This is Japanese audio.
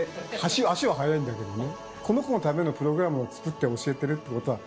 足は速いんだけどね。